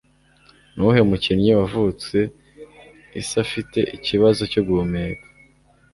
Nuwuhe mukinnyi wavutse Issafite ikibazo cyo guhumeka